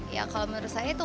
ya kalau menurut saya itu